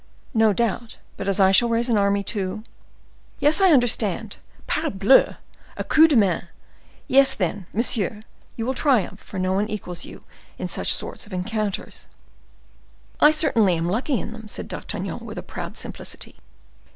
"No doubt; but as I shall raise an army to—" "Yes, yes—I understand, parbleu!—a coup de main. Yes, then, monsieur, you will triumph, for no one equals you in such sorts of encounters." "I certainly am lucky in them," said D'Artagnan, with a proud simplicity.